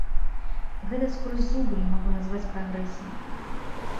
Гэта скрозь зубы я магу назваць прагрэсам.